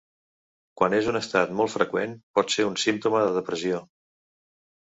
Quan és un estat molt freqüent pot ser un símptoma de depressió.